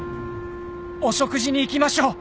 「お食事に行きましょう！」